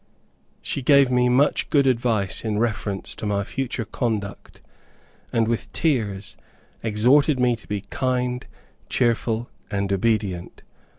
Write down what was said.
She gave me much good advice in reference to my future conduct, and with tears exhorted me to be kind, cheerful, and obedient.